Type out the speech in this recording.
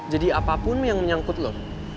jadi apapun yang menyangkut lu